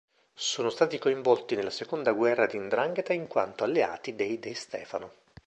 Sono stati coinvolti nella seconda guerra di 'Ndrangheta in quanto alleati dei De Stefano..